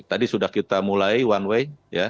tadi sudah kita mulai one way